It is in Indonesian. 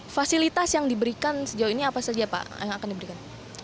fasilitas yang diberikan sejauh ini apa saja pak yang akan diberikan